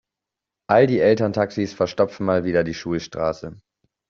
All die Elterntaxis verstopfen mal wieder die Schulstraße.